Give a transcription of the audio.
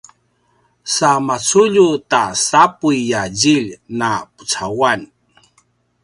sa maculju ta sapuy a djilj na pucauan